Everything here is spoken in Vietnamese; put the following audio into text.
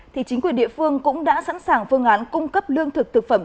thì chính quyền địa phương cũng đã sẵn sàng phương án cung cấp lương thực thực phẩm